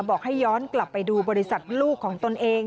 บอกให้ย้อนกลับไปดูบริษัทลูกของตนเอง